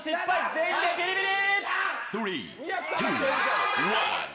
全員でビリビリ。